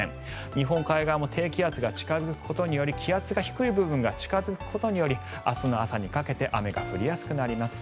日本海側も低気圧が近付くことにより気圧が低い部分が近付くことにより明日の朝にかけて雨が降りやすくなります。